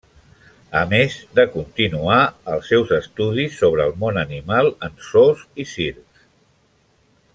A més de continuar els seus estudis sobre el món animal en zoos i circs.